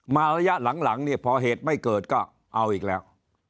ระยะหลังเนี่ยพอเหตุไม่เกิดก็เอาอีกแล้ว